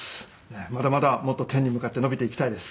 まだまだもっと天に向かって伸びていきたいです。